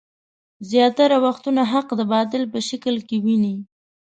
زياتره وختونه حق د باطل په شکل کې ويني.